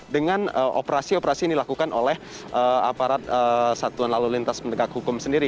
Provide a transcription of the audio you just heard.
dengan operasi operasi yang dilakukan oleh aparat satuan lalu lintas pendekat hukum sendiri